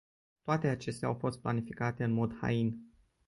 Toate acestea au fost planificate în mod hain.